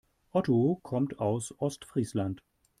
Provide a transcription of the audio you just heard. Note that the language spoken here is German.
Otto kommt aus Ostfriesland.